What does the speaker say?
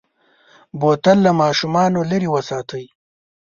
بوتل له ماشومو لرې وساتئ.